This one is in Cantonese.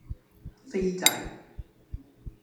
斐濟